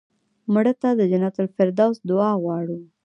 مړه ته د جنت الفردوس دعا غواړو